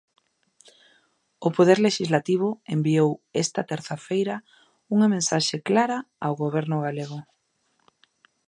O poder lexislativo enviou esta terza feira unha mensaxe clara ao goberno galego.